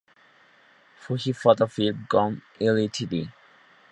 Fuji Photo Film Co., Ltd.